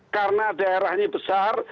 karena daerahnya besar